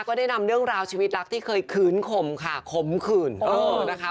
ก็ได้นำเรื่องราวชีวิตรักที่เคยขืนข่มค่ะขมขื่นเออนะคะ